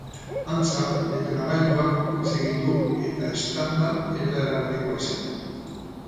Antza, detonagailuak huts egin du eta eztanda ez da erabatekoa izan.